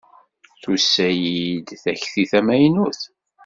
Tusa-iyi-d takti d tamaynut.